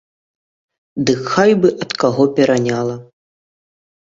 Дык хай бы ад каго пераняла.